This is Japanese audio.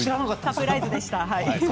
サプライズでした。